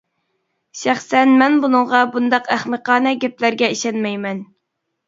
شەخسەن مەن بۇنىڭغا بۇنداق ئەخمىقانە گەپلەرگە ئىشەنمەيمەن.